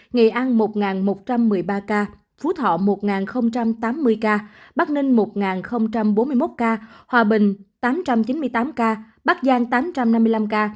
nghệ an một một trăm một mươi ba ca phú thọ một tám mươi ca bắc ninh một bốn mươi một ca hòa bình tám trăm chín mươi tám ca bắc giang tám trăm năm mươi năm ca